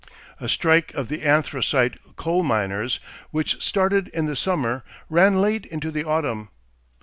A strike of the anthracite coal miners, which started in the summer, ran late into the autumn.